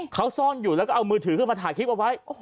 เขาซ่อนอยู่แล้วก็เอามือถือขึ้นมาถ่ายคลิปเอาไว้